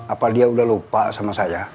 apa dia udah lupa sama saya